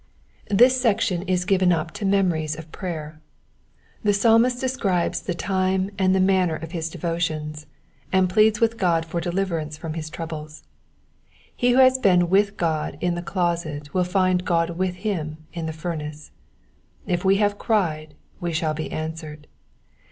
Tliis section is given up to memories of prayer. The Psalmist describes the time and the manner of bis devotions, and pleads with God for deliver ance from bis troubles. He who has been with God in the closet will find God with him in the furnace. If we have cried we shall be answered.